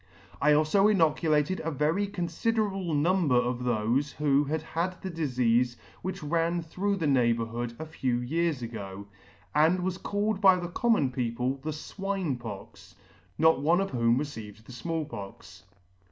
" I alfo inoculated a very confiderable number of thofe who had had a difeafe which ran through the neighbourhood a few years ago, and was called by the common people the Swine Pox , not one of whom received the Small Pox *.